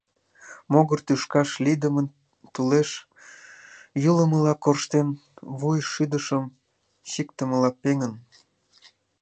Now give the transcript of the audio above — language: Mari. Могыр тӱкаш лийдымын, тулеш йӱлымыла корштен, вуй шӱдышым чиктымыла пеҥын.